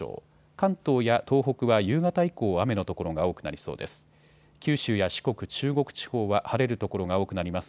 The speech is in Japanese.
関東や東北は夕方以降、雨の所が多くなりそうです。